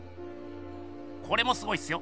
これもすごいっすよ！